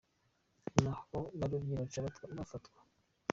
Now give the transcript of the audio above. Ni ho abo barovyi baca bafatwa.